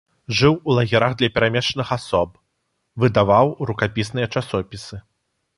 Жыў у лагерах для перамешчаных асоб, выдаваў рукапісныя часопісы.